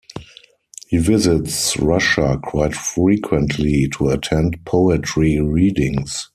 He visits Russia quite frequently to attend poetry readings.